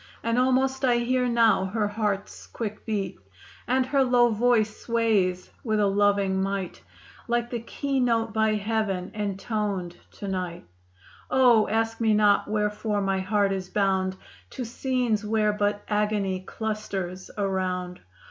And almost I hear now her heart's quick beat; And her low voice sways with a loving might, Like the key note by heaven entoned to night; "O ask me not wherefore my heart is bound To scenes where but agony clusters around.